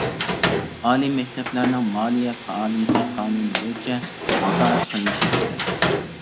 ئالىي مەكتەپلەرنىڭ مالىيە پائالىيىتى قانۇن بويىچە نازارەت قىلىنىشى كېرەك.